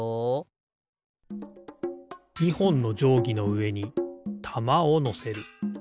２ほんのじょうぎのうえにたまをのせる。